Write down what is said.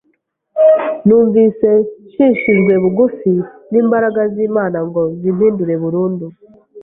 numvise nshishijwe bugufi n’imbaraga z’Imana ngo zimpindure burundu